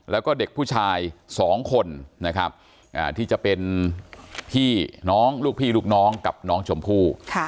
แล้วก็เด็กผู้ชาย๒คนนะครับที่จะเป็นพี่น้องลูกพี่ลูกน้องกับน้องชมพู่